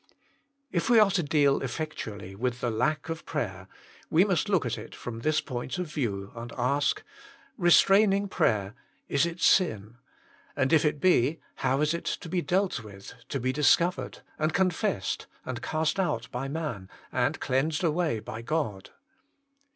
If we are to deal effectually with the lack of prayer we must look at it from this point of view and ask, Restraining prayer, is it sin ? And if it be, how is it to be dealt with, to be discovered, and confessed, and cast out by man, and cleansed away by God